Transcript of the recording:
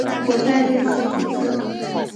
我再练习几次